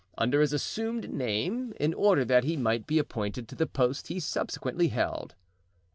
under his assumed name, in order that he might be appointed to the post he subsequently held.